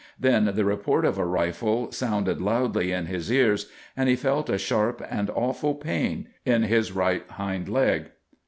Then the report of a rifle sounded loudly in his ears and he felt a sharp and awful pain in his right hind leg.